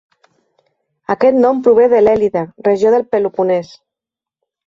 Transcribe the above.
Aquest nom prové de l'Èlide, regió del Peloponès.